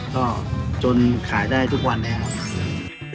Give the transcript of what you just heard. ก็จนขายได้ทุกวันนี้ครับ